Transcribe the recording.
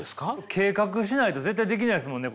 計画しないと絶対できないですもんね